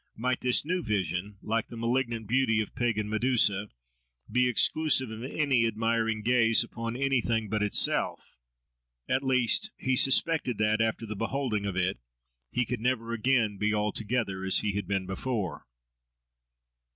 Might this new vision, like the malignant beauty of pagan Medusa, be exclusive of any admiring gaze upon anything but itself? At least he suspected that, after the beholding of it, he could never again be altogether as he had been before.